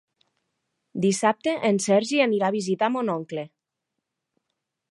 Dissabte en Sergi anirà a visitar mon oncle.